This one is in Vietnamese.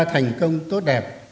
thành công tốt đẹp